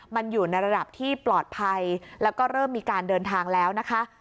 มันอยู่ในระดับที่ปลอดภัยแล้วก็เริ่มมีการเดินทางแล้วนะคะ